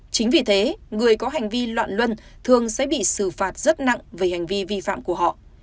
chính vì thế người có hành vi loạn luân thường sẽ bị xử phạt rất nặng về hành vi vi phạm của họ